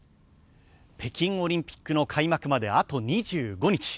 北京オリンピックの開幕まであと２５日。